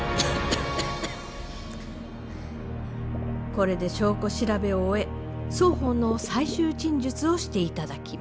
これで証拠調べを終え双方の最終陳述をしていただきます。